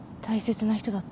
大切な人。